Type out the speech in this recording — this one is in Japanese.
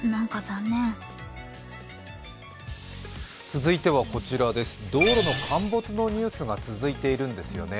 続いては、道路の陥没のニュースが続いているんですよね。